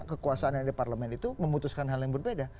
kekuasaan yang ada di parlemen itu memutuskan hal yang berbeda